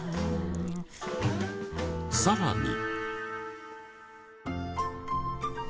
さらに。